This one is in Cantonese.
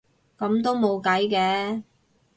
噉都冇計嘅